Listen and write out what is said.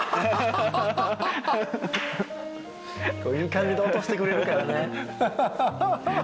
こういう感じで落としてくれるからね。